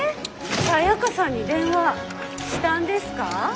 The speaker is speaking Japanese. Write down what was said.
サヤカさんに電話したんですか？